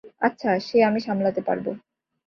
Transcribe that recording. আচ্ছা, সে আমি সামলাতে পারব।